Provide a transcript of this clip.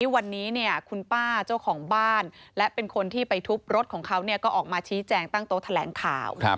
วันนี้คุณป้าเจ้าของบ้านและเป็นคนที่ไปทุบรถของเขาก็ออกมาชี้แจงตั้งโต๊ะแถลงข่าว